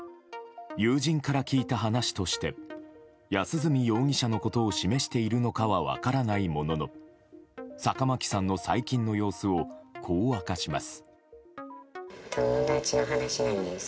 友人から聞いた話として安栖容疑者のことを示しているのかは分からないものの坂巻さんの最近の様子をこう明かします。